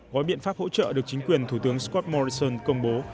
gói biện pháp hỗ trợ được chính quyền thủ tướng scott morrison công bố